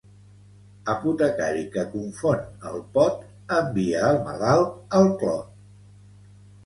Apotecari que confon el pot envia el malalt al clot.